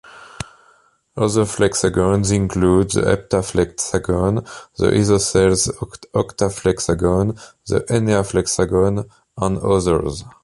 Other flexagons include the heptaflexagon, the isosceles octaflexagon, the enneaflexagon, and others.